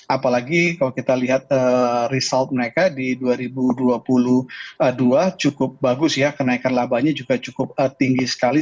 apalagi kalau kita lihat result mereka di dua ribu dua puluh dua cukup bagus ya kenaikan labanya juga cukup tinggi sekali